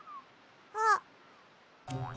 あっ。